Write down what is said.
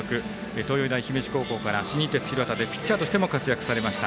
東洋大姫路から新日鉄広畑でピッチャーとしても活躍されました